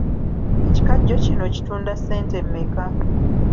Ekikajjo kino okitunda ssente mmeka?